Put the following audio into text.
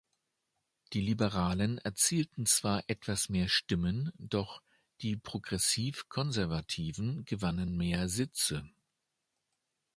Die Liberalen erzielten zwar etwas mehr Stimmen, doch die Progressiv-Konservativen gewannen mehr Sitze.